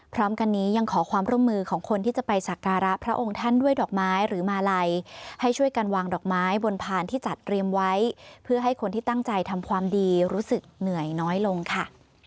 พร้อมกันนี้ยังขอความร่วมมือของคนที่จะไปสักการะพระองค์ท่านด้วยดอกไม้หรือมาลัยให้ช่วยกันวางดอกไม้บนพานที่จัดเตรียมไว้เพื่อให้คนที่ตั้งใจทำความดีรู้สึกเหนื่อยน้อยลงค่ะ